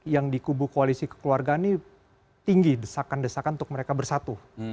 yang dikubu koalisi keluargaan ini tinggi desakan desakan untuk mereka bersatu